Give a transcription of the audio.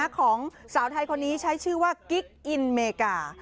ของสาวไทยคนนี้ใช้ชื่อว่ากิ๊กอินอเมริกา